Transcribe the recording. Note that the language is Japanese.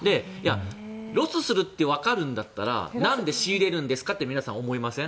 ロスするってわかるんだったら何で仕入れるんですかって皆さん、思いません？